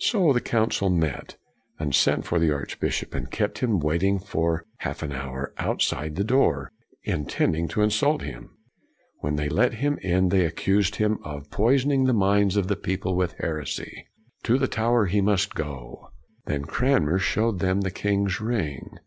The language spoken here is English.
So the Council met, and sent for the archbishop, and kept him waiting for half an hour outside the door, intending to insult him. When they let him in they accused him of poisoning the minds of CRANMER 87 the people with heresy. To the Tower he must go. Then Cranmer showed them the king's ring.